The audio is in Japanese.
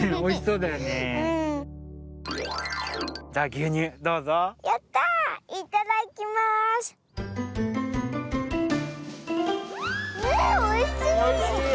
うんおいしい！